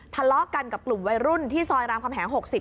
ทะเลาะกันกับกลุ่มวัยรุ่นที่ซอยรามคำแหง๖๐